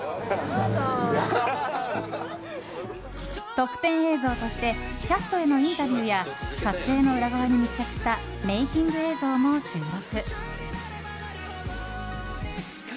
特典映像としてキャストへのインタビューや撮影の裏側に密着したメイキング映像も収録。